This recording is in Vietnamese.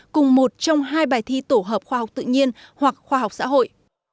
cùng một trong hai bài thi tổ hợp khoa học tự nhiên hoặc khoa học xã hội